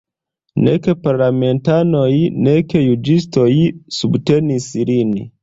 Nek parlamentanoj, nek juĝistoj subtenis lin.